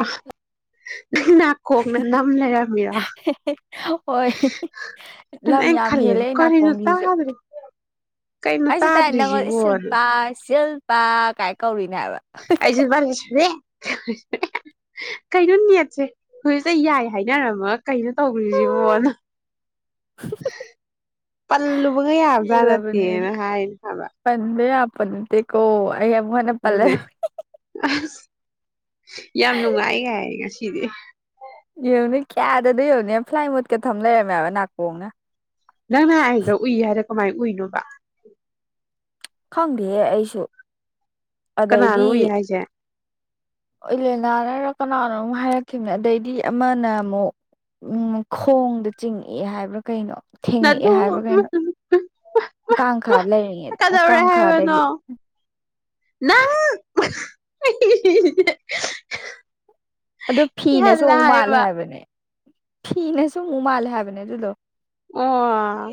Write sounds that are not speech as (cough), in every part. ꯑꯁ ꯂꯩꯔꯝꯃꯤꯔꯣ ꯍꯣꯏ ꯑꯗꯨꯅ ꯂꯝ ꯑꯩꯅ ꯌꯥꯝ ꯍꯦꯜꯂꯦ ꯈꯜꯂꯦꯕ ꯑꯩ ꯀꯔꯤꯅꯣ ꯅꯥꯀꯣꯡꯁꯤꯁꯨ ꯇꯥꯗ꯭ꯔꯤ ꯀꯩꯅꯣ ꯑꯩꯁꯨ ꯇꯥꯏ ꯅꯪꯉꯣꯟꯗ ꯏꯁ ꯇꯥꯗ꯭ꯔꯤꯁꯤꯕꯣꯅ ꯁꯤꯜꯄꯥ ꯁꯤꯜꯄꯥ ꯀꯥꯏ ꯀꯧꯔꯤꯅꯦ ꯍꯥꯏꯕ ꯀꯖꯃꯁꯦ (unintelligible) ꯀꯩꯅꯣ ꯅꯦꯠꯁꯦ ꯍꯧꯖꯤꯛꯇ ꯌꯥꯏ ꯍꯥꯏꯅꯔꯝꯃꯒ ꯀꯩꯅꯣ ꯇꯧꯈ꯭ꯔꯤꯁꯤꯕꯣꯅ ꯄꯜꯂꯨꯕꯒ ꯌꯥꯕꯖꯥꯠ ꯄꯦꯜꯂꯕꯅꯦ ꯑꯩꯗꯤ ꯅꯠꯇꯦꯅ ꯍꯥꯏꯅꯤ ꯍꯥꯏꯕ ꯄꯟꯕ ꯌꯥꯕ ꯅꯠꯇꯦꯀꯣ ꯑꯩ ꯑꯃꯨꯛ ꯍꯟꯅ ꯑꯗꯨꯅꯦ ꯄꯜꯂꯔꯣꯏ ꯑꯁ ꯌꯥꯝ ꯅꯨꯡꯉꯥꯏ ꯒꯥꯏ ꯉꯁꯤꯗꯤ ꯌꯦꯡꯉꯨꯅꯦ ꯀꯌꯥꯗ ꯌꯦꯡꯉꯨꯅꯦ ꯐ꯭ꯂꯥꯏꯠ ꯃꯣꯠꯀ ꯊꯝ ꯂꯩꯔꯝꯃꯦ ꯍꯥꯏꯕ ꯅꯥꯀꯣꯡꯅ ꯅꯪꯅ ꯑꯩꯗꯨ ꯎꯏ ꯍꯥꯏꯔ ꯀꯃꯥꯏꯅ ꯎꯏꯅꯣꯕ ꯈꯪꯗꯦꯍꯦ ꯑꯩꯁꯨ ꯑꯗꯩꯗꯤ ꯀꯅꯥꯅꯣ ꯎꯏ ꯍꯥꯏꯁꯦ ꯏꯂꯦꯅꯥꯅꯔ ꯀꯅꯥꯅꯣ ꯑꯃ ꯍꯥꯏꯔꯛꯈꯤꯕꯅꯦ ꯑꯗꯩꯗꯤ ꯑꯃꯅ ꯑꯃꯨꯛ ꯎꯝ ꯈꯣꯡꯗ ꯆꯤꯡꯉꯛꯏ ꯍꯥꯏꯕ꯭ꯔꯥ ꯀꯩꯅꯣ ꯊꯦꯡꯉꯛꯑꯦ ꯅꯗꯨ ꯍꯥꯏꯕ꯭ꯔꯥ ꯀꯩꯅꯣ (unintelligible) ꯀꯥꯡꯈꯥ ꯂꯩꯔꯤꯉꯩꯗ ꯀꯩꯗꯧꯔꯦ ꯍꯥꯏꯕꯅꯣ ꯀꯥꯡꯈꯥꯗꯒꯤ ꯅꯪ ꯑꯩꯗꯤ ꯑꯗꯨ ꯐꯤꯅꯁꯨ ꯑꯃꯨꯛ ꯃꯥꯜꯂꯦ ꯍꯥꯏꯕꯅꯦ ꯐꯤꯅꯁꯨ ꯑꯃꯨꯛ ꯃꯥꯜꯂꯦ ꯍꯥꯏꯕꯅꯦ ꯑꯗꯨꯗꯣ ꯑꯣ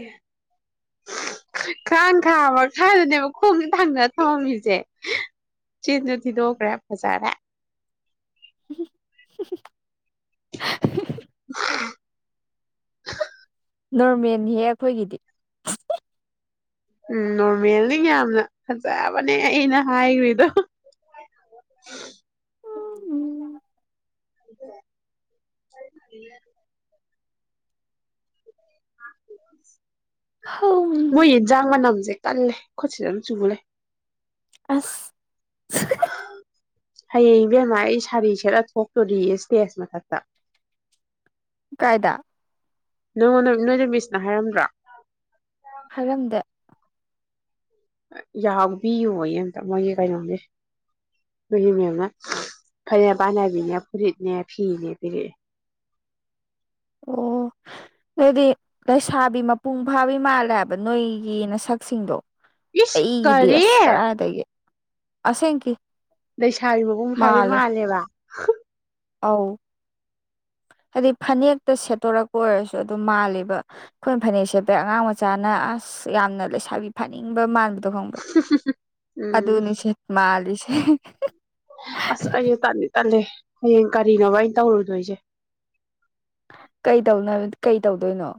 ꯀꯥꯡꯈꯥ ꯃꯈꯥꯗꯅꯦꯕ ꯈꯣꯡꯁꯦ ꯊꯥꯡꯗꯔ ꯊꯝꯃꯝꯃꯤꯁꯦ ꯆꯤꯟꯁꯨ ꯊꯤꯗꯣꯛꯈ꯭ꯔꯦ ꯐꯖꯔꯦ (unintelligible) (unintelligible) ꯅꯣꯔꯃꯦꯜꯅꯤꯍꯦ ꯑꯩꯈꯣꯏꯒꯤꯗꯤ ꯎꯝ ꯅꯣꯔꯃꯦꯜꯅꯤ ꯌꯥꯝꯅ ꯐꯖꯕꯅꯦ ꯑꯩꯅ ꯍꯥꯏꯈ꯭ꯔꯤꯗꯣ ꯎꯝ (unintelligible) ꯃꯣꯏ ꯍꯝ ꯌꯦꯟꯁꯥꯡ ꯃꯅꯝꯁꯦ ꯀꯜꯂꯦ ꯈꯨꯠꯁꯤꯗ ꯑꯗꯨꯝ ꯆꯨꯂꯩ ꯑꯁ ꯍꯌꯦꯡ ꯏꯕꯦꯝꯃ ꯑꯩ ꯁꯥꯔꯤ ꯁꯦꯠꯂ ꯊꯣꯛꯇꯣꯔꯤꯌꯦ ꯏꯁꯇꯦꯖ ꯃꯊꯛꯇ ꯀꯥꯏꯗ ꯅꯪꯉꯣꯟꯗ ꯅꯣꯏꯗ ꯃꯤꯁꯅ ꯍꯥꯏꯔꯝꯗ꯭ꯔꯣ ꯍꯥꯏꯔꯝꯗꯦ ꯌꯥꯎꯕꯤꯌꯣꯌꯦ ꯑꯝꯇ ꯃꯣꯏꯒꯤ ꯀꯩꯅꯣꯒꯤ ꯑꯗꯨꯒꯤ ꯃꯦꯝꯅ ꯐꯅꯦꯛ ꯃꯄꯥꯟ ꯅꯥꯏꯕꯤꯅꯦ ꯐꯨꯔꯤꯠꯅꯦ ꯐꯤꯅꯦ ꯄꯤꯔꯛꯑꯦ ꯑꯣ ꯅꯣꯏꯗꯤ ꯂꯩꯁꯥꯕꯤ ꯃꯄꯨꯡ ꯐꯥꯕꯤ ꯃꯥꯜꯂꯦ ꯍꯥꯏꯕ ꯅꯣꯏꯒꯤ ꯅꯁꯛꯁꯤꯡꯗꯣ ꯏꯁ ꯑꯩꯒꯤꯗꯤ ꯀꯔꯤ ꯑꯁ ꯀꯔꯥꯏꯗꯒꯤ ꯑꯁꯦꯡꯀꯤ ꯂꯩꯁꯥꯕꯤ ꯃꯄꯨꯡ ꯐꯥꯕꯤ ꯃꯥꯜꯂꯦ ꯃꯥꯜꯂꯦꯕ ꯑꯧ ꯍꯥꯏꯗꯤ ꯐꯅꯦꯛꯇ ꯁꯦꯠꯇꯣꯔꯛꯄ ꯑꯣꯏꯔꯁꯨ ꯑꯗꯨꯤ ꯃꯥꯜꯂꯦꯕ ꯑꯩꯈꯣꯏꯅ ꯐꯅꯦꯛ ꯁꯦꯄ ꯑꯉꯥꯡ ꯃꯆꯥꯅ ꯑꯁ ꯌꯥꯝꯅ ꯂꯩꯁꯥꯕꯤ ꯐꯥꯅꯤꯡꯕ ꯃꯥꯜꯂꯤ ꯈꯪꯕ꯭ꯔꯥ ꯎꯝ ꯑꯗꯨꯅꯤꯁꯦ ꯃꯥꯜꯂꯤꯁꯦ ꯑꯁ ꯑꯩꯁꯨ ꯇꯂꯤ ꯇꯜꯂꯦ ꯍꯌꯦꯡ ꯀꯔꯤꯅꯣꯕ ꯑꯩꯅ ꯇꯧꯔꯨꯗꯣꯏꯁꯦ ꯀꯩ ꯀꯩ ꯇꯧꯗꯣꯏꯅꯣ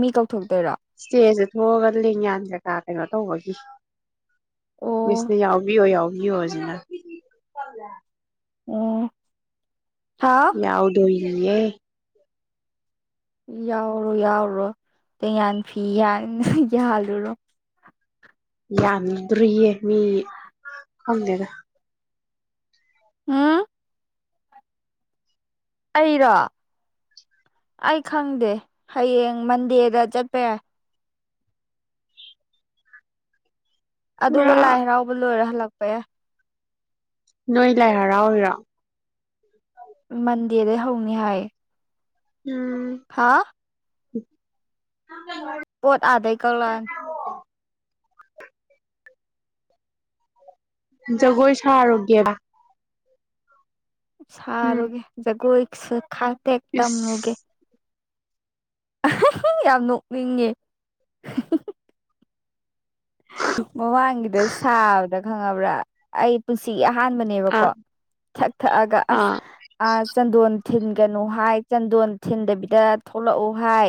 ꯃꯤ ꯀꯧꯊꯣꯛꯇꯣꯏꯔꯣ ꯏꯁꯇꯦꯖꯇ ꯊꯣꯛꯑꯒ ꯂꯦꯡꯌꯥꯟꯖꯀꯥ ꯀꯩꯅꯣ ꯇꯧꯕꯒꯤ ꯑꯣ ꯃꯤꯁꯅ ꯌꯥꯎꯕꯤꯌꯣ ꯌꯥꯎꯕꯤꯌꯣ ꯍꯧꯖꯤꯅ ꯎꯝ ꯍꯥꯎ ꯌꯥꯎꯗꯣ ꯏꯦ ꯌꯥꯎꯔꯣ ꯌꯥꯎꯔꯣ ꯇꯦꯡꯌꯥꯟ ꯐꯤ ꯌꯥ ꯌꯥꯜꯂꯨꯔꯣ ꯌꯥꯝꯗ꯭ꯔꯤꯌꯦ ꯃꯤ ꯈꯪꯗꯦꯗ ꯎꯝ ꯑꯩꯔꯣ ꯑꯩ ꯈꯪꯗꯦ ꯍꯌꯦꯡ ꯃꯟꯗꯦꯗ ꯆꯠꯄ ꯌꯥꯏ ꯄꯨꯔꯥ ꯑꯗꯨꯒ ꯂꯥꯏ ꯍꯔꯥꯎꯕ ꯂꯣꯏꯔ ꯍꯜꯂꯛꯄ ꯌꯥ ꯅꯣꯏ ꯂꯥꯏ ꯍꯔꯥꯎ ꯑꯣꯏꯔꯣ ꯍꯥꯎ ꯃꯟꯗꯦꯗꯩ ꯍꯧꯅꯤ ꯍꯥꯏ ꯎꯝ ꯍꯥꯥ (inaudible) ꯄꯣꯠ ꯑꯥꯗꯩ ꯀꯧꯂꯑꯅꯤ ꯖꯒꯣꯏ ꯁ ꯑꯔꯒꯦꯕ ꯎꯝ ꯁꯥꯔꯨꯒꯦ ꯖꯒꯣꯏꯁꯨ ꯈꯇꯦꯛ ꯏꯁ ꯇꯝꯂꯨꯒꯦ ꯌꯥꯝ ꯅꯣꯛꯅꯤꯡꯉ ꯃꯃꯥꯡꯒꯤꯗ ꯁꯥꯕꯗ ꯈꯪꯉꯕ꯭ꯔꯥ ꯑꯩ ꯄꯨꯟꯁꯤ ꯑꯍꯥꯟꯕꯗ ꯅꯦꯕꯀꯣ ꯑꯥ ꯊꯛ ꯊꯛꯑꯒ ꯑꯁ ꯑꯥ ꯑ ꯆꯟꯗꯣꯟ ꯊꯤꯟꯒꯅꯨ ꯍꯥꯏ ꯆꯟꯗꯣꯟ ꯊꯤꯟꯗꯕꯤꯗ ꯊꯣꯛꯂꯛꯎ ꯍꯥꯏ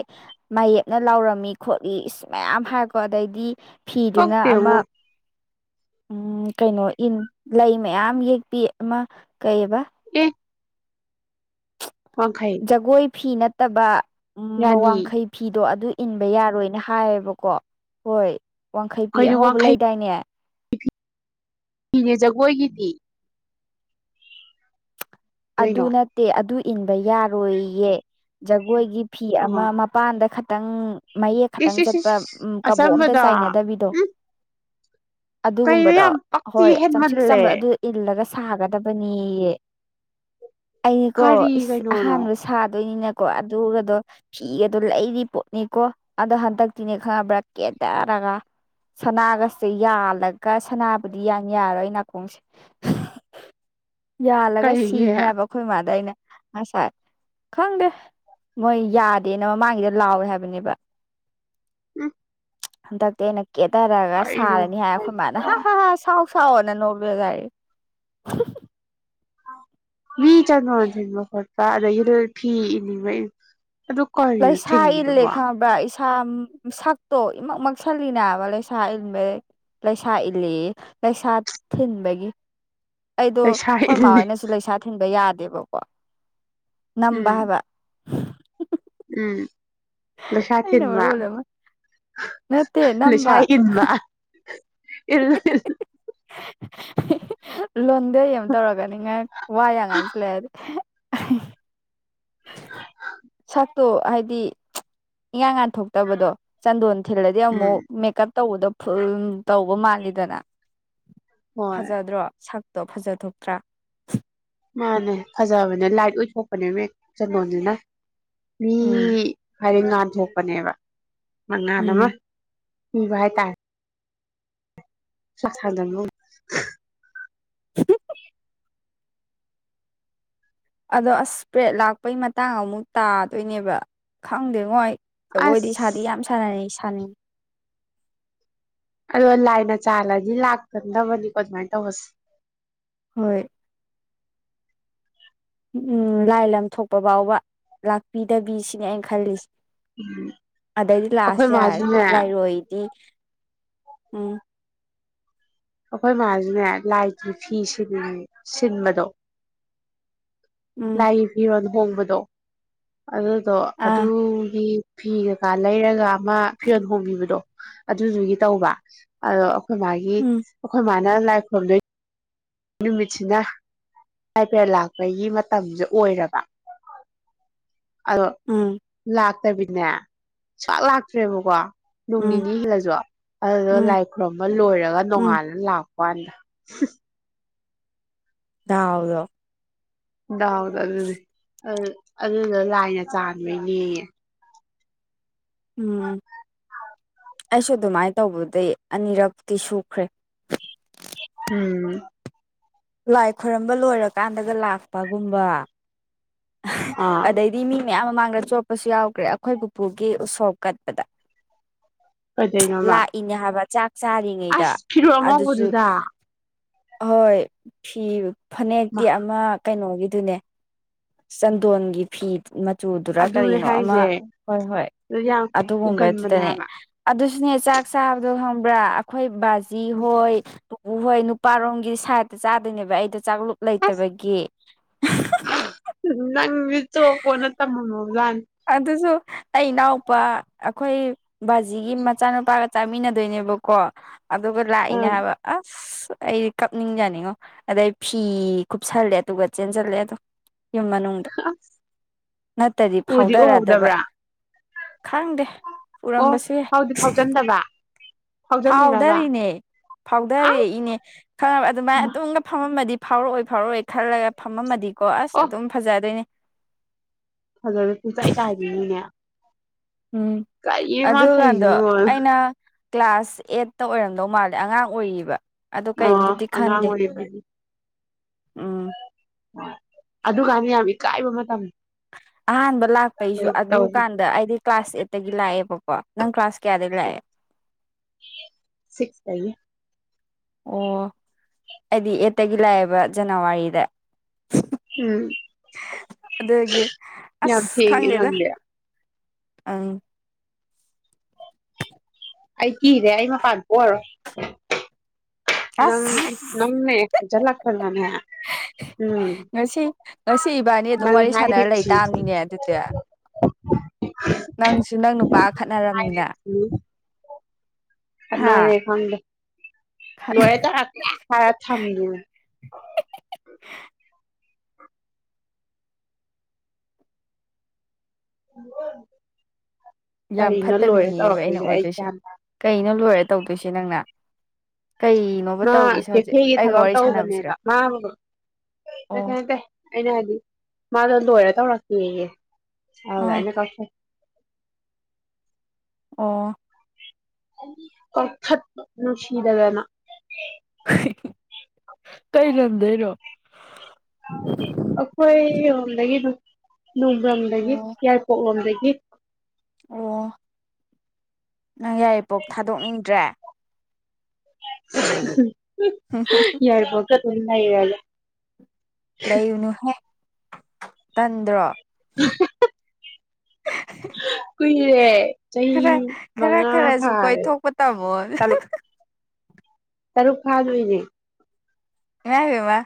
ꯃꯥꯌꯦꯞꯅ ꯂꯥꯎꯔꯝꯃꯤ ꯈꯣꯠꯂꯤ ꯁꯤ ꯃꯌꯥꯝ ꯍꯥꯏꯔꯀꯣ ꯑꯗꯩꯗꯤ ꯐꯤꯗꯨꯅ ꯄꯛꯇꯦ ꯑꯃ ꯉꯣ ꯎꯝ ꯀꯩꯅꯣ ꯏꯟ ꯂꯩ ꯃꯌꯥꯝ ꯌꯦꯛꯄꯤ ꯑꯃ ꯀꯩꯕ ꯎꯝ ꯋꯥꯈꯥꯏ ꯖꯒꯣꯏ ꯐꯤ ꯅꯠꯇꯕ ꯔꯥꯅꯤ ꯋꯥꯡꯈꯩ ꯐꯤꯗꯣ ꯑꯗꯨ ꯏꯟꯕ ꯌꯥꯔꯣꯏꯅ ꯍꯥꯏꯌꯦꯕꯀꯣ ꯍꯣꯏ ꯋꯥꯡꯈꯩ ꯐꯤ ꯀꯩꯅꯣ ꯑꯉꯧꯕ ꯋꯥꯡꯈꯩꯒꯤꯅꯦ ꯂꯩꯗꯥꯏꯅꯦ ꯏꯤꯅꯦ ꯖꯒꯣꯏꯒꯤꯗꯤ ꯑꯗꯨ ꯀꯩꯅꯣ ꯅꯠꯇꯦ ꯑꯗꯨ ꯏꯟꯕ ꯌꯥꯔꯣꯏꯌꯦ ꯖꯒꯣꯏꯒꯤ ꯐꯤ ꯑꯃ ꯑꯥ ꯃꯄꯥꯟꯗ ꯈꯇꯪ ꯃꯌꯦꯛ ꯈꯛꯇꯪ ꯏꯁ ꯏꯁ ꯆꯠꯄ ꯏꯁ ꯎ ꯀꯕꯣꯛ ꯑꯝꯇ ꯑꯆꯝꯕꯗꯣ ꯆꯥꯏꯅꯗꯕꯤꯗꯣ ꯎꯝ ꯀꯩꯅꯣ ꯑꯗꯨꯒꯨꯝꯕꯗꯣ ꯌꯥꯝ ꯄꯛꯇꯤ ꯍꯣꯏ ꯆꯝꯁꯤꯛ ꯍꯦꯟꯃꯜꯂꯦ ꯆꯝꯕ ꯑꯗꯨ ꯏꯜꯂꯒ ꯁꯥꯒꯗꯕꯅꯤꯌꯦ ꯑꯩꯅꯤꯀꯣ ꯀꯔꯤ ꯀꯩꯅꯣꯅꯣ ꯑꯍꯥꯟꯕ ꯁꯥꯗꯣꯏꯅꯤꯅꯀꯣ ꯑꯗꯨꯒꯗꯣ ꯐꯤ ꯑꯗꯨ ꯂꯩꯔꯤ ꯄꯣꯠꯅꯤꯀꯣ ꯑꯗꯣ ꯍꯟꯗꯛꯇꯤꯅꯦ ꯈꯪꯉꯕ꯭ꯔꯥ ꯀꯦꯟꯗꯔꯒ ꯁꯅꯥꯒꯁꯦ ꯌꯥꯜꯂꯒ ꯁꯅꯥꯕꯨꯗꯤ ꯌꯥꯟ ꯌꯥꯔꯣꯏ ꯅꯥꯀꯣꯡꯁꯦ ꯌꯥꯜꯂꯒ ꯀꯩꯒꯤ ꯁꯤꯅꯤ ꯍꯥꯏꯕ ꯑꯩꯈꯣꯏ ꯏꯃꯥꯗ ꯑꯩꯅ ꯉꯁꯥꯏ ꯈꯪꯗꯦ ꯃꯣꯏ ꯌꯥꯗꯦꯅ ꯃꯃꯥꯡꯒꯤꯗ ꯂꯥꯎꯋꯦ ꯍꯥꯏꯕꯅꯦꯕ ꯑ ꯍꯟꯗꯛꯇꯤ ꯑꯩꯅ ꯀꯦꯊꯔꯒ ꯁꯥꯔꯅꯤ ꯍꯥꯏꯔ ꯑꯩꯈꯣꯏ ꯏ ꯃꯥꯜꯅ ꯍꯥꯏꯁꯤꯕꯣ ꯍꯥ ꯍꯥ ꯍꯥꯥꯎ ꯆꯋꯅꯦ ꯅꯕꯤꯖꯥꯏ ꯃꯤ ꯆꯪꯕ ꯍꯟꯁꯤꯟꯕ ꯈꯣꯠꯄ ꯑꯗꯩ ꯌꯗ ꯊꯤ ꯏꯅꯤꯡꯕ ꯑꯗꯨ ꯀꯔꯤꯅꯣ ꯂꯩꯁꯥ ꯏꯜꯂꯦ ꯊꯤꯡꯉꯤꯗꯨꯕꯣ ꯈꯪꯕ꯭ꯔꯥ ꯁꯛꯇꯣ ꯏꯃꯛ ꯃꯛꯁꯜꯂꯤꯅꯥ ꯃꯥꯂꯦ ꯁꯥ ꯏꯟꯕ ꯂꯩꯁꯥ ꯏꯜꯂꯤ ꯂꯩꯁꯥ ꯊꯤꯟꯕꯒꯤ ꯑꯩꯗꯣ ꯂꯩꯁꯥ ꯑꯩꯈꯣꯏꯃ ꯏꯜꯂꯤ ꯍꯣꯏꯅꯁꯨ ꯂꯩꯁꯥ ꯊꯤꯟꯕ ꯌꯥꯗꯦꯕꯀꯣ ꯎꯝ ꯅꯝꯕꯕ ꯎꯝ ꯂꯁꯥ ꯑꯩꯅ ꯊꯤꯟꯃ ꯃꯔꯣꯜ ꯑꯃ ꯅꯠꯇꯦ ꯅꯝꯕ ꯂꯁꯤꯟꯃ ꯏꯜ ꯏ (inaudible) ꯂꯣꯟꯗꯩ ꯑꯩ ꯑꯃ ꯇꯧꯔꯒꯅꯤꯉ ꯋꯥ ꯌꯥꯝ ꯉꯥꯡꯁꯤꯜꯂꯛꯑꯗꯤ ꯁꯥꯛꯛꯇꯣ ꯍꯥꯏꯗꯤ ꯏꯉꯥꯡ ꯉꯥꯟꯊꯣꯛꯄ ꯐꯠꯇꯕꯗꯣ ꯆꯟꯗꯣꯟ ꯊꯤꯜꯂꯗꯤ ꯎꯝ ꯑꯃꯨꯛ ꯃꯦꯀꯞ ꯇꯧꯕꯗꯣ ꯐꯨꯜ ꯇꯧꯕ ꯃꯥꯜꯂꯤꯗꯅ ꯍꯣꯏ ꯐꯖꯗ꯭ꯔꯣ ꯁꯛꯇꯣ ꯐꯖꯊꯣꯛꯇ꯭ꯔꯥ ꯃꯥꯅꯦ ꯐꯖꯕꯅꯦ ꯂꯥꯏꯠ ꯑꯣꯏꯊꯣꯛꯄꯅꯦꯅꯦ ꯆꯂꯣꯟꯁꯤꯅ ꯃꯤ ꯎꯝ ꯍꯥꯏꯗꯤ ꯉꯥꯟ ꯊꯣꯛꯣꯛꯄꯅꯦꯕ ꯃꯉꯥꯜ ꯎꯝ ꯑꯃ ꯄꯤꯕ ꯍꯥꯏꯇꯥꯔꯦ ꯁꯁꯥꯗꯅꯣ ꯑꯗꯣ ꯑꯁ ꯄ꯭ꯔꯦꯗ ꯂꯥꯛꯄꯩ ꯃꯇꯥꯡ ꯑꯃꯨꯛ ꯇꯥꯗꯣꯏꯅꯦꯕ ꯈꯪꯗꯦꯉꯣ ꯑꯩ ꯖꯒꯣꯏꯗꯤ ꯁꯥꯗꯤ ꯑꯁ ꯌꯥꯝ ꯁꯥꯟꯅꯔꯦ ꯁꯥꯅꯤꯡ ꯑꯗꯣ ꯂꯥꯏꯅ ꯆꯥꯜꯂꯗꯤ ꯂꯥꯛꯀꯟꯗꯕꯅꯤꯀꯣ ꯑꯗꯨꯃꯥꯏ ꯇꯧꯕꯁꯤ ꯍꯣꯏ ꯎ ꯎꯝ ꯂꯥꯏ ꯂꯝ ꯊꯣꯛꯄ ꯐꯥꯎꯕ ꯂꯥꯛꯄꯤꯗꯕꯤ ꯁꯤꯅꯤ ꯑꯩꯅ ꯈꯜꯂꯤꯁꯤ ꯑꯗꯩꯗꯤ ꯑꯩꯈꯣꯏ ꯂꯥꯛꯑꯁꯨ ꯌꯥꯔꯦ ꯃꯥꯁꯨꯅꯦ ꯂꯥꯏꯔꯣꯏꯗꯤ ꯎꯝ ꯑꯩꯈꯣꯏ ꯃꯥꯖꯨꯅꯦ ꯂꯥꯏꯒꯤ ꯐꯤ ꯁꯤꯟ ꯁꯤꯟꯕꯗꯣ ꯎꯝ ꯂꯥꯏꯒꯤ ꯐꯤꯔꯣꯟ ꯍꯣꯡꯕꯗꯣ ꯑꯗꯨꯗꯣ ꯑꯥ ꯑꯗꯨꯒꯤ ꯐꯤ ꯀꯀꯥ ꯂꯩꯔꯒ ꯑꯃ ꯐꯤꯔꯣꯜ ꯍꯣꯡꯕꯤꯕꯗꯣ ꯑꯗꯨꯗꯨꯒꯤ ꯇꯧꯕ ꯑꯗꯣ ꯑꯩꯈꯣꯏ ꯃꯥꯒꯤ ꯎꯝ ꯑꯩꯈꯣꯏ ꯃꯥꯅ ꯂꯥꯏ ꯈꯨꯔꯨꯝꯗꯣꯏ ꯅꯨꯃꯤꯠꯁꯤꯅ ꯑꯩ ꯄꯦꯔꯠ ꯂꯥꯛꯄꯒꯤ ꯃꯇꯝꯖꯦ ꯑꯣꯏꯔꯕ ꯑꯗꯣ ꯎꯝ ꯂꯥꯛꯇꯕꯤꯅꯦ ꯁꯨꯋꯥꯠ ꯂꯥꯛꯇ꯭ꯔꯦꯕꯀꯣ ꯅꯣꯡ ꯎꯝ ꯅꯤꯅꯤ ꯍꯤꯜꯂꯖꯨ ꯑꯗꯨꯗꯨꯒ ꯎꯝ ꯂꯥꯏ ꯈꯨꯔꯨꯝꯕ ꯂꯣꯏꯔꯒ ꯎꯝ ꯅꯣꯡꯉꯥꯟꯂ ꯂꯥꯛ ꯄꯋꯥꯟꯗ ꯗꯥꯎꯗꯣ ꯗꯥꯎꯗꯣ ꯑꯗꯨꯅꯦ ꯑꯗꯨ ꯑꯗꯨꯗꯣ ꯂꯥꯏꯅ ꯆꯥꯟꯕꯩꯅꯦꯌꯦ ꯎꯝ ꯑꯩꯁꯨ ꯑꯗꯨꯃꯥꯏ ꯇꯧꯕꯗꯩ ꯑꯅꯤꯔꯛꯇꯤ ꯁꯨꯈ꯭ꯔꯦ ꯎꯝ ꯂꯥꯏ ꯈꯣꯏꯔꯝꯕ ꯂꯣꯏꯔꯀꯥꯟꯗꯒ ꯂꯥꯛꯄꯒꯨꯝꯕ ꯑꯥ ꯑꯗꯩ ꯗꯤ ꯃꯤ ꯃꯌꯥꯝ ꯃꯃꯥꯡꯗ ꯆꯣꯞꯄꯁꯨ ꯌꯥꯎꯈ꯭ꯔꯦ ꯑꯩꯈꯣꯏ ꯄꯨꯄꯨꯒꯤ ꯎꯁꯣꯞ ꯀꯠꯄꯗ ꯀꯗꯩꯅꯣꯕ ꯏꯅꯦ ꯍꯥꯏꯕ ꯆꯥꯛ ꯆꯥꯔꯤꯉꯩꯗ ꯑꯗꯨꯖꯨ ꯑꯉꯧꯕꯗꯨꯗ ꯍꯣꯏ ꯐꯤ ꯐꯅꯦꯛꯇꯤ ꯃꯥ ꯑꯃ ꯀꯩꯅꯣꯒꯤꯗꯨꯅꯦ ꯆꯟꯗꯣꯟꯒꯤ ꯐꯤ ꯃꯆꯨꯗꯨꯔ ꯑꯗꯨꯅꯦ ꯀꯔꯤꯅꯣ ꯑꯃ ꯍꯥꯏꯁꯦ ꯍꯣꯏ ꯍꯣꯏ ꯑꯗꯨ ꯌꯥꯝ ꯎꯒꯟꯕꯅꯦ ꯑꯗꯨꯒꯨꯝꯕꯗꯨꯗꯅꯦ ꯍꯥꯏꯕ ꯑꯗꯨꯁꯨꯅꯦ ꯆꯥꯛ ꯆꯥꯕꯗꯣ ꯈꯪꯕ꯭ꯔꯥ ꯑꯩꯈꯣꯏ ꯕꯥꯖꯤ ꯍꯣꯏ ꯄꯨꯄꯨ ꯍꯣꯏ ꯅꯨꯄꯥꯔꯣꯝꯒꯤ ꯁꯥꯏꯠꯇ ꯆꯥꯗꯣꯏꯅꯦꯕ ꯑꯩꯗꯣ ꯆꯥꯛꯂꯨꯛ ꯂꯩꯇꯕꯒꯤ ꯅꯪꯖꯤ ꯆꯣꯞꯄꯣꯅ ꯇꯝꯃꯝꯃꯕꯖꯥꯅꯤ ꯑꯗꯨꯁꯨ ꯑꯩ ꯏꯅꯥꯎꯄꯥ ꯑꯩꯈꯣꯏ ꯕꯥꯖꯤꯒꯤ ꯃꯆꯥꯅꯨꯄꯥꯒ ꯆꯥꯃꯤꯟꯅꯗꯣꯏꯅꯦꯕꯀꯣ ꯑꯗꯨꯒ ꯂꯥꯛꯏꯅꯦ ꯎꯝ ꯍꯥꯏꯕ ꯑꯁ ꯑꯩꯗꯤ ꯀꯞꯅꯤꯡꯖꯥꯟꯅꯤꯡꯉꯣ ꯑꯗꯩ ꯐꯤ ꯀꯨꯞꯁꯜꯂꯦ ꯑꯗꯨꯒ ꯆꯦꯟꯖꯜꯂꯦ ꯑꯗꯨꯝ ꯌꯨꯝ ꯃꯅꯨꯡ ꯗ ꯑꯁ ꯅꯠꯇꯗꯤ ꯎꯗꯤ ꯐꯥꯎꯗꯔꯛꯗꯕ ꯎꯍꯧꯗꯕ꯭ꯔꯥ ꯈꯪꯗꯦ ꯑꯣ ꯎꯔꯝꯕꯁꯨ ꯌꯥꯏ ꯐꯥꯎꯗꯤ ꯐꯥꯎꯖꯟꯗꯕ ꯐꯥꯎꯖꯜꯂꯤꯔꯕ ꯐꯥꯎꯗꯔꯤꯅꯦ ꯐꯥꯎꯗꯔ ꯑꯁ ꯏꯅꯦ ꯈꯪꯉꯥꯕ ꯑꯗꯨꯃꯥꯏꯅ ꯑꯗꯨꯝ ꯐꯝꯃꯝꯃꯗꯤ ꯐꯥꯎꯔꯛꯑꯣꯏ ꯐꯥꯎꯔꯛꯑꯣꯏ ꯈꯜꯂꯒ ꯐꯝꯃꯝꯃꯗꯤꯀꯣ ꯑꯁ ꯑꯣ ꯑꯗꯨꯝ ꯐꯖꯗꯣꯏꯅꯦ ꯐꯖꯅ ꯄꯨꯡꯆꯥꯏ ꯆꯥꯏꯕꯤꯅꯤꯅꯦ ꯎꯝ ꯀꯔꯤ ꯃꯥ ꯑꯗꯨꯒꯥꯟꯗꯣ ꯇꯧꯔꯤꯁꯤꯕꯣ ꯑꯩꯅ ꯀ꯭ꯂꯥꯁ ꯑꯦꯠꯇ ꯑꯣꯏꯔꯝꯗꯧ ꯃꯥꯜꯂꯦ ꯑꯉꯥꯡ ꯑꯣꯏꯔꯤꯕ ꯑꯗꯨ ꯑꯣ ꯀꯩꯝꯕꯨꯗꯤ ꯑꯉꯥꯡ ꯈꯟꯗꯦ ꯑꯣꯏꯔꯤꯕꯒꯤ ꯎꯝ ꯑꯣ ꯑꯗꯨꯀꯥꯟꯗꯣ ꯌꯥꯝ ꯏꯀꯥꯏꯕ ꯃꯇꯝꯅꯤ ꯑꯍꯥꯟꯕ ꯂꯥꯛꯄꯩꯁꯨ ꯑꯗꯨ ꯇꯧꯕ ꯀꯥꯟ ꯗ ꯑꯩꯗꯤ ꯀ꯭ꯂꯥꯁ ꯑꯩꯠꯇꯒꯤ ꯂꯥꯛꯑꯦꯕꯀꯣ ꯅꯪ ꯀ꯭ꯂꯥꯁ ꯀꯌꯥꯗꯩ ꯂꯥꯛꯑꯦ ꯁꯤꯛꯁ ꯇꯒꯤ ꯑꯣ ꯑꯩꯗꯤ ꯑꯦꯠꯇꯒꯤ ꯂꯥꯛꯑꯦꯕ ꯖꯅꯋꯥꯔꯤꯗ ꯎꯝ ꯑꯗꯨꯗꯒꯤ ꯌꯥꯝ ꯑꯁ ꯊꯦꯡꯉꯦ ꯈꯪꯗꯦꯗ ꯅꯪꯗꯤ ꯑ ꯑꯩ ꯀ ꯔꯦ ꯑꯩꯃ ꯀꯕꯣ ꯅꯪ ꯑꯁ ꯅꯪꯅꯦ ꯖꯂꯛ ꯐꯔꯅꯦ ꯉꯁꯤ ꯉꯁꯤ ꯏꯕꯥꯅꯤ ꯑꯗꯨꯝ ꯅꯪ ꯋꯥꯔꯤ ꯁꯥꯟꯅꯔ ꯂꯩ ꯍꯥꯏꯔꯤꯕꯁꯤ ꯇꯥꯕꯅꯤꯅꯦ ꯑꯗꯨꯗꯤ (unintelligible) ꯅꯪꯁꯨ ꯅꯪ ꯅꯨꯄꯥꯒ ꯈꯠꯅꯔꯝꯅꯤꯅ ꯎꯝ ꯈ ꯍꯥ ꯂꯣꯏ ꯇ ꯍꯥ ꯊꯝꯒꯦ ꯌꯥꯝ ꯀꯔꯤꯅ ꯂꯣꯏꯔꯦ ꯐꯠꯇꯕꯤꯅꯦꯕ ꯑꯩꯅ ꯇꯧꯔꯛꯇꯣꯏꯁꯦ ꯑꯩ ꯑꯣꯏꯗꯣꯏꯁꯦ ꯀꯩꯅꯣ ꯂꯣꯏꯔꯦ ꯇꯧꯗꯣꯏꯁꯦ ꯅꯪꯅ ꯀꯣ ꯃꯥ ꯆꯩꯦꯛꯊꯩꯒꯤ ꯊꯕꯛ ꯇꯧꯕꯅꯦꯕ ꯃꯥꯕꯒꯨꯝ ꯀ ꯑꯣ ꯍꯥꯏ ꯇ ꯑꯩꯅ ꯍꯥꯏꯗꯤ ꯃꯥꯗꯣ ꯂꯣꯏꯔ ꯇꯧꯔꯛꯀꯦꯌꯦ ꯑꯗꯨꯗ ꯑꯥ ꯑꯩꯅ ꯀꯛꯆꯦ ꯑꯣ ꯀꯔꯊꯠꯅꯅꯨꯡ ꯁꯤꯗꯒꯅ ꯀꯩꯔꯝꯗꯣꯏꯅꯣ ꯑꯩꯈꯣꯏ ꯂꯣꯝꯗꯒꯤ ꯅꯣꯡ ꯂꯣꯝꯗꯒꯤ ꯑꯣ ꯌꯥꯏꯄꯣꯛ ꯂꯣꯝꯗꯒꯤ ꯑꯣ ꯅꯪ ꯌꯥꯔꯤꯄꯣꯛ ꯊꯥꯗꯣꯛꯅꯤꯡꯗ꯭ꯔꯦ ꯌꯥꯔ ꯐꯒ ꯊꯅ ꯏꯔꯂ ꯂꯩꯌꯨꯅꯨꯍꯦꯛ ꯇꯟꯗ꯭ꯔꯣ ꯀꯨꯏꯔꯦ (inaudible) ꯆꯍꯤ ꯈꯔ ꯈꯔ ꯃꯉꯥ ꯈꯔꯁꯨ ꯐꯥꯔꯦ ꯀꯣꯏꯊꯣꯛꯄ ꯇꯥꯝꯃꯣ ꯇꯔꯨꯛ ꯇꯔꯨꯛ ꯐꯥꯗꯣꯏꯅꯦ ꯏꯃꯥ ꯏꯕꯦꯝꯃ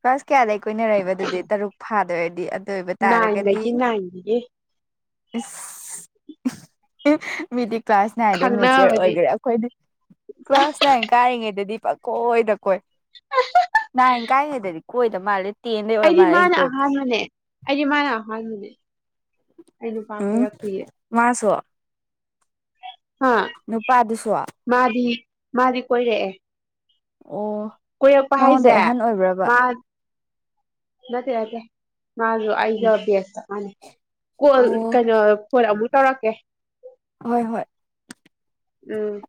ꯀ꯭ꯂꯥꯁ ꯀꯌꯥꯗꯒꯤꯩ ꯀꯨꯏꯅꯔ ꯂꯩꯕꯗꯨꯗꯤ ꯇꯔꯨꯛ ꯐꯥꯗꯣꯏꯔꯗꯤ ꯑꯗꯨ ꯑꯣꯏꯕ ꯇꯥꯔꯒꯗꯤꯗꯤ ꯅꯥꯏꯟꯗꯒꯤ ꯅꯥꯏꯟꯗꯒꯤ ꯀ꯭ꯂꯥꯁ ꯅꯥꯏꯟꯗꯩ ꯃꯦꯖꯔ ꯈꯪꯅꯕꯗꯤ ꯑꯣꯏꯈꯦꯔꯥ ꯑꯩꯈꯣꯏ ꯀ꯭ꯂꯥꯁ ꯅꯥꯏꯟ ꯀꯥꯔꯤꯉꯩꯗꯗꯤ ꯄꯛꯀꯣꯏ ꯅ ꯀꯣꯏ (unintelligible) ꯅ ꯀꯥꯏ ꯍꯥꯏꯗꯗꯤ ꯀꯣꯏꯗ ꯃꯥꯜꯂꯦ ꯇꯦꯟꯗꯩ ꯑꯣꯏꯔ ꯑꯩꯗꯤ ꯃꯥꯜꯂꯦ ꯑꯩꯅ ꯃꯥꯅ ꯀꯣꯏꯕ ꯑꯍꯥꯟꯕꯅꯦ ꯑꯩꯗꯤ ꯃꯥꯅ ꯑꯍꯥꯟꯕꯅꯦ ꯑꯩ ꯅꯨꯄꯥ ꯎꯝ ꯀꯣꯏꯔꯛꯇꯤꯌꯦ ꯃꯥꯁꯨ ꯍꯥ ꯅꯨꯄꯥꯗꯨꯁꯨ ꯃꯥꯗꯤ ꯃꯥꯗꯤ ꯀꯣꯏꯂꯛꯑꯦ ꯑꯣ ꯀꯣꯏꯔꯛꯄ ꯅꯪꯉꯣꯟꯗ ꯍꯥꯏꯁꯦ ꯑꯍꯟ ꯑꯣꯏꯕ꯭ꯔꯕ ꯃꯥ ꯅꯠꯇꯦ ꯅꯠꯇꯦ ꯃꯥꯁꯨ ꯑꯩꯒ ꯎꯝ ꯕꯦꯒ ꯆꯠ ꯃꯥꯅꯤ ꯀꯣꯜ ꯑꯣ ꯀꯩꯅꯣ ꯐꯣꯟ ꯑꯃꯨꯛ ꯇꯧꯔꯛꯀꯦ ꯍꯣꯏ ꯍꯣꯏ ꯎꯝ